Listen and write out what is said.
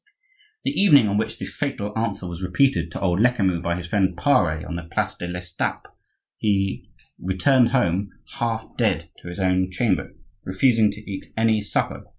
The evening on which this fatal answer was repeated to old Lecamus, by his friend Pare on the place de l'Estape, he returned home half dead to his own chamber, refusing to eat any supper.